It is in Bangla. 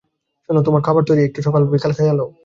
শোনো, তোমার খাবার তৈরি, একটু সকাল-সকাল খাইয়া লও।